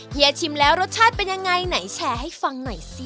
เฮียชิมแล้วรสชาติเป็นยังไงไหนแชร์ให้ฟังหน่อยสิ